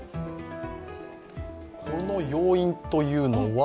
この要因というのは？